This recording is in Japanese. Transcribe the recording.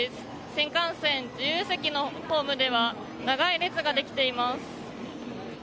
新幹線自由席のホームでは長い列ができています。